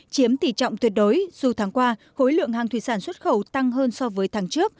chiếm tỷ trọng tuyệt đối dù tháng qua khối lượng hàng thủy sản xuất khẩu tăng hơn so với tháng trước